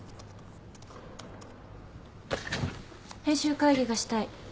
編集会議がしたい。